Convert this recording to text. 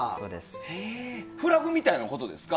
フラグみたいなことですか。